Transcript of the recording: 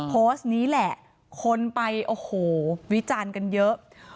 โพสต์นี้แหละคนไปโอ้โหวิจารณ์กันเยอะ